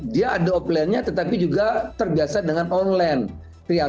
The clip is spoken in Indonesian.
dia ada offlinenya tetapi juga terbiasa dengan online